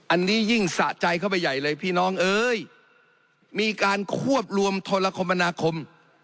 อันนี้ยิ่งสะใจเข้าไปใหญ่เลยพี่น้องเอ้ยมีการควบรวมโทรคมนาคม